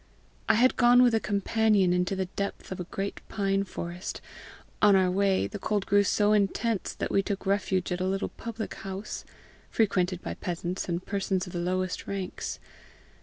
I had gone with a companion into the depth of a great pine forest. On our way, the cold grew so intense, that we took refuge at a little public house, frequented by peasants and persons of the lowest ranks.